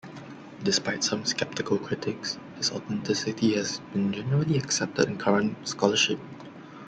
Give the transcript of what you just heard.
Despite some skeptical critics, his authenticity has been generally accepted in current scholarship.